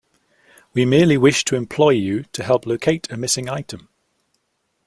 We merely wish to employ you to help locate a missing item.